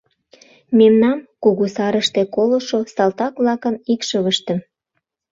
Мемнам, Кугу сарыште колышо салтак-влакын икшывыштым.